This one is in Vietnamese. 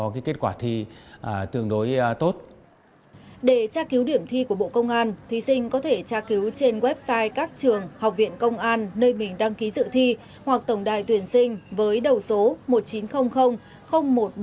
để tra cứu điểm thi của bộ công an thí sinh có thể tra cứu trên website các trường học viện công an nơi mình đăng ký dự thi hoặc tổng đài tuyển sinh với đầu số một nghìn chín trăm linh một nghìn một mươi một